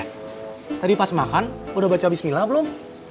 tadi pas makan udah baca bismillah belum